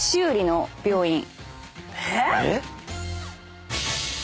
えっ⁉